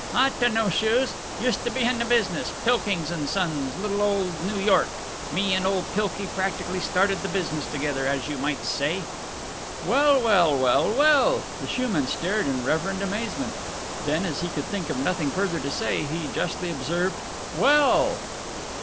Ought to know shoes. Used to be in business. Pilkings & Son's, little old New York. Me and old Pilky practically started the business together, as you might say." "Well, well, well, well!" The shoeman stared in reverent amazement. Then, as he could think of nothing further to say, he justly observed, "Well!"